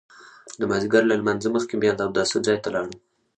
د مازیګر له لمانځه مخکې بیا د اوداسه ځای ته لاړم.